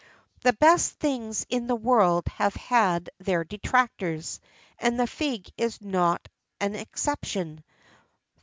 The best things in the world have had their detractors, and the fig is not an exception.